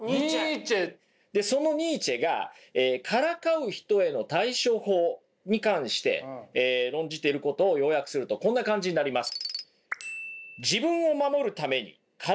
そのニーチェがからかう人への対処法に関して論じていることを要約するとこんな感じになります。